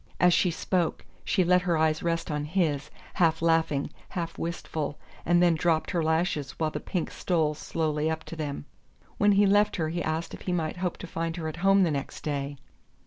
As she spoke she let her eyes rest on his, half laughing, half wistful, and then dropped her lashes while the pink stole slowly up to them. When he left her he asked if he might hope to find her at home the next day.